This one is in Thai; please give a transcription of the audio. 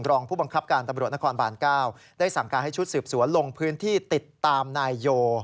รองผู้บังคับการตำรวจนครบาน๙ได้สั่งการให้ชุดสืบสวนลงพื้นที่ติดตามนายโย